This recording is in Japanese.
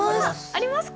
ありますか？